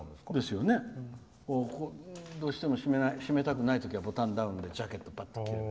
どうしても締めたくないときはボタンダウンでジャケット着る。